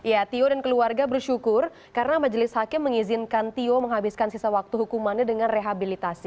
ya tio dan keluarga bersyukur karena majelis hakim mengizinkan tio menghabiskan sisa waktu hukumannya dengan rehabilitasi